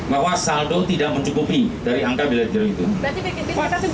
bahwa saldo tidak mencukupi dari angka bilet diri itu